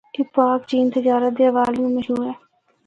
اے پاک چین تجارت دے حوالے نال مشہور ہے۔